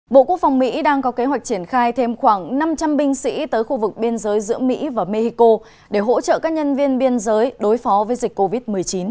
bộ quốc phòng mỹ đang có kế hoạch triển khai thêm khoảng năm trăm linh binh sĩ tới khu vực biên giới giữa mỹ và mexico để hỗ trợ các nhân viên biên giới đối phó với dịch covid một mươi chín